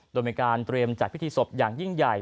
โดยมีการเตรียมจัดพิธีศพอย่างยิ่งใหญ่